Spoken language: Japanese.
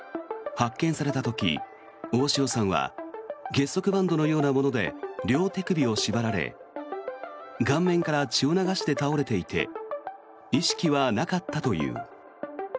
発見された時、大塩さんは結束バンドのようなもので両手首を縛られ顔面から血を流して倒れていて意識はなかったという。